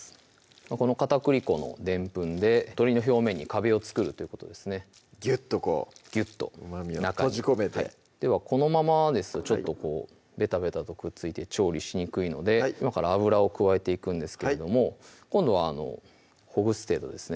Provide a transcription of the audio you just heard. この片栗粉のでんぷんで鶏の表面に壁を作るということですねギュッとこううまみを閉じ込めてではこのままですとちょっとこうベタベタとくっついて調理しにくいので今から油を加えていくんですけれども今度はほぐす程度ですね